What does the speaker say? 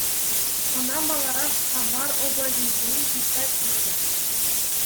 Ӑна маларах Самар облаҫӗнчен тытса килнӗ.